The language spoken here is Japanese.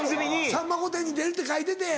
『さんま御殿‼』に出るって書いてて。